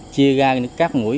chia ra các mũi